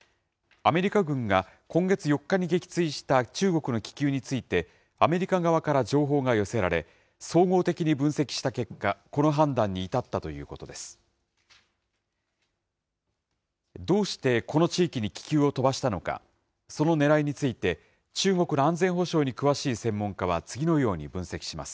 アメリカ軍が今月４日に撃墜した中国の気球についてアメリカ側から情報が寄せられ、総合的に分析した結果、この判断に至ったということです。